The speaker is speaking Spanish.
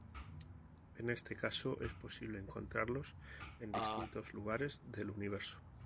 En este caso es posible encontrarlos en distintos lugares del universo.